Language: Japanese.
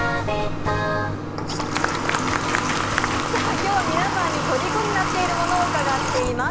今日は皆さんに、とりこになっているものを伺っています。